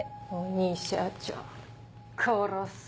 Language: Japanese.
鬼社長殺す。